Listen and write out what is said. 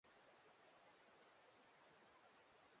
aliyekosa ushindi katika kinyanganyiro cha urais mwaka juzi anadai